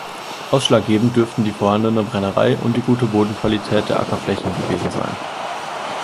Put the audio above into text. Ausschlaggebend dürften die vorhandene Brennerei und die gute Bodenqualität der Ackerflächen gewesen sein.